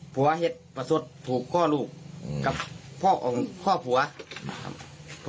ผัวเห็ดประสดภูมิข้อลูกกับพ่อข้อผัวครับ